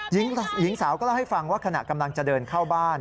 หญิงสาวก็เล่าให้ฟังว่าขณะกำลังจะเดินเข้าบ้าน